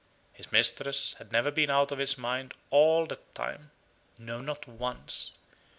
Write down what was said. His mistress had never been out of his mind all that time. No, not once.